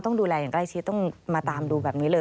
ต้องดูแลอย่างใกล้ชิดต้องมาตามดูแบบนี้เลย